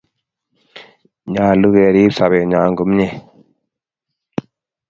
Nyalu kerip sobennyo komnye